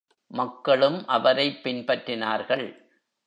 மக்களும் அவரைப் பின்பற்றினார்கள்.